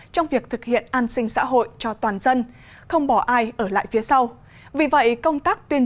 trong việc thực hiện an sinh xã hội cho toàn dân không bỏ ai ở lại phía sau vì vậy công tác tuyên